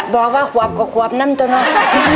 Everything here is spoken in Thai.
บอกว่าขวบกว่าขวบน้ำตัวน้อย